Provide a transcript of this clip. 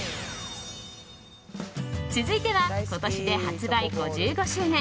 続いては、今年で発売５５周年